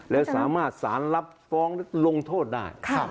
แล้วสามารถสารรับฟ้องลงโทษได้